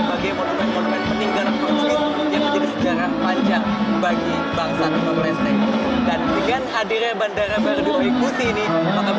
serta berbagai monumen monumen peninggalan portugis yang menjadi sejarah panjang bagi bangsa okusi